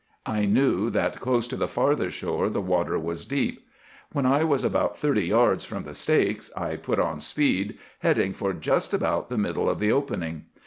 I knew that close to the farther shore the water was deep. When I was about thirty yards from the stakes, I put on speed, heading for just about the middle of the opening.